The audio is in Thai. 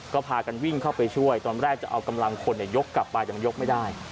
ก็พากันวิ่งเข้าไปช่วยตอนแรกจะเอากำลังคนยกกลับไปยังยกไม่ได้